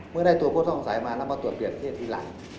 เมื่อได้ตัวผู้ต้องสงสัยมามันมาตรวจเบือนเพศอีหลัก